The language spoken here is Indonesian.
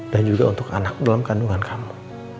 dan juga untuk anak dalam kandungan kamu